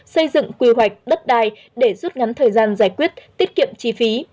xây dựng quy hoạch đất đai để rút ngắn thời gian giải quyết tiết kiệm chi phí